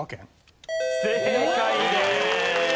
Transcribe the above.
正解です。